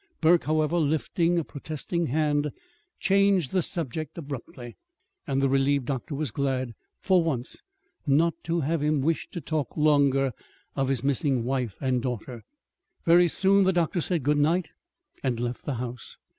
Burke, however, lifting a protesting hand, changed the subject abruptly; and the relieved doctor was glad, for once, not to have him wish to talk longer of his missing wife and daughter. Very soon the doctor said good night and left the house.